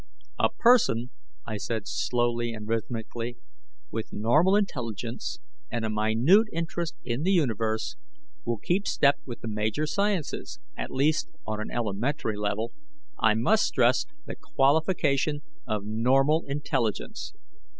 "A person," I said slowly and rhythmically, "with normal intelligence and a minute interest in the universe, will keep step with the major sciences, at least on an elementary level. I must stress the qualification of normal intelligence."